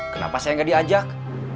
kenapa saya gak diajak